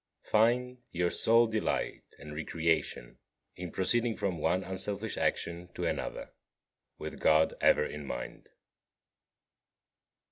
7. Find your sole delight and recreation in proceeding from one unselfish action to another, with God ever in mind.